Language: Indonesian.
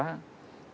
karena kami menyadari